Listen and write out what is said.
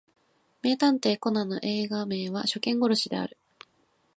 名探偵コナンの映画名は初見殺しである